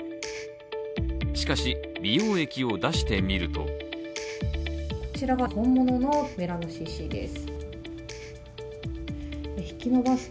しかし、美容液を出してみるとこちらが本物のメラノＣＣ．です。